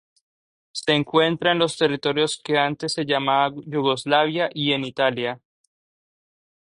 Se encuentra en los territorios que antes se llamaban Yugoslavia y en Italia.